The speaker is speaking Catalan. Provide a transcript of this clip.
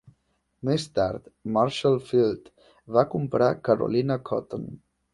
Més tard, Marshall Field va comprar Carolina Cotton.